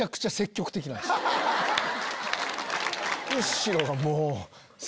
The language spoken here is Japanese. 後ろがもう。